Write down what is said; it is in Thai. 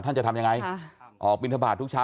จะทำยังไงออกบินทบาททุกเช้า